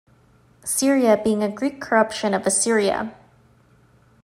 Syria being a Greek corruption of Assyria.